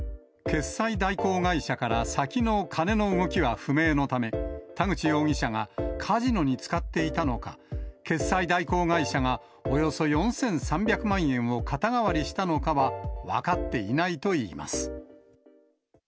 決済代行会社から先の金の動きは不明のため、田口容疑者がカジノに使っていたのか、決済代行会社がおよそ４３００万円を肩代わりしたのかは分かっていないといいます。